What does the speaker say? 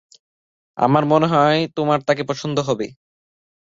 আমার মনে হয় তোমার তাকে পছন্দ হবে।